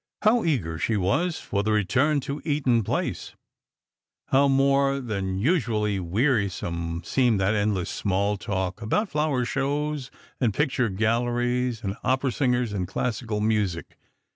How eager she was for the re+um to Eaton place ! how more tnan usually wearisome seemed that endless small talk about flower shows and picture galleries, and opera singers and classical music